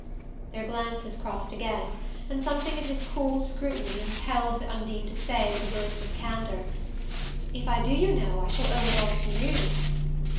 Their glances crossed again, and something in his cool scrutiny impelled Undine to say, with a burst of candour: "If I do, you know, I shall owe it all to you!"